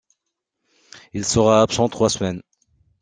Il sera absent trois semaines.